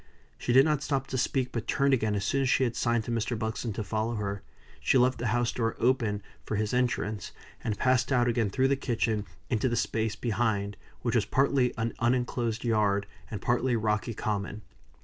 She did not stop to speak, but turned again as soon as she had signed to Mr. Buxton to follow her. She left the house door open for his entrance, and passed out again through the kitchen into the space behind, which was partly an uninclosed yard, and partly rocky common.